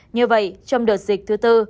như vậy trong đợt dịch thứ tư